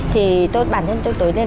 thì bản thân tôi tới lên